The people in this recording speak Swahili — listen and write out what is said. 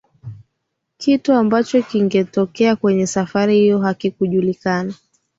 kitu ambacho kingetokea kwenye safari hiyo hakikujulikana